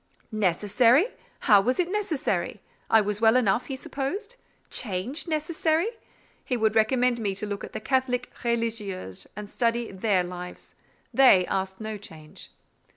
"Necessary! How was it necessary? I was well enough, he supposed? Change necessary! He would recommend me to look at the Catholic 'religieuses,' and study their lives. They asked no change."